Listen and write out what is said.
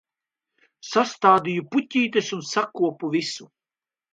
Sastādīju puķītes un sakopu visu.